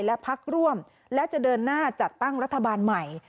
และพักร่วมและจะเดินหน้าจัดตั้งรัฐบาลใหม่